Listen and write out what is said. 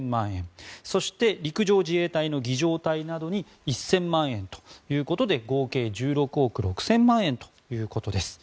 そして陸上自衛隊の儀仗隊などに１０００万円ということで合計１６億６０００万円ということです。